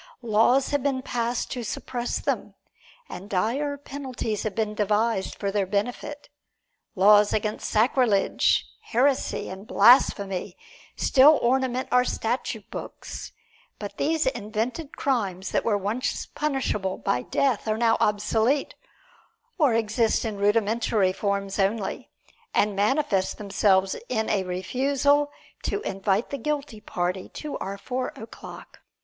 Laws have been passed to suppress them, and dire penalties have been devised for their benefit. Laws against sacrilege, heresy and blasphemy still ornament our statute books; but these invented crimes that were once punishable by death are now obsolete, or exist in rudimentary forms only, and manifest themselves in a refusal to invite the guilty party to our Four o'Clock.